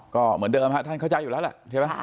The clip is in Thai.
ก็เหมือนเดิมครับท่านเข้าใจอยู่แล้วเห็นไหมครับ